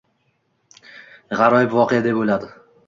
G'aroyib voqea deb o'yladi